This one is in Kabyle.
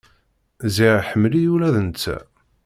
Ziɣ iḥemmel-iyi ula d netta.